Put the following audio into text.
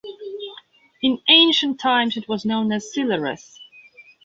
In ancient times it was known as Silarus.